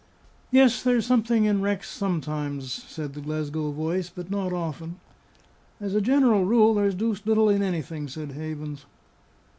"Yes, there's something in wrecks sometimes," said the Glasgow voice; "but not often." "As a general rule, there's deuced little in anything," said Havens.